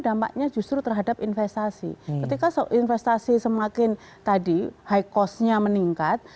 dampaknya justru terhadap investasi ketika investasi semakin tadi high cost nya meningkat